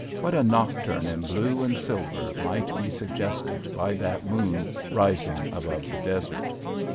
What a nocturne in blue and silver might be suggested by that moon rising above the desert.